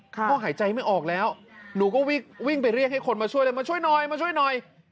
พ่อหายใจไม่ออกแล้วหนูก็วิ่งไปเรียกให้คนมาช่วยเลยมาช่วยหน่อยมาช่วยหน่อย